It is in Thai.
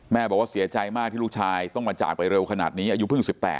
บอกว่าเสียใจมากที่ลูกชายต้องมาจากไปเร็วขนาดนี้อายุเพิ่ง๑๘